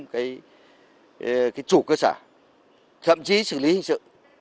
cái chủ cơ sở thậm chí xử lý hình sự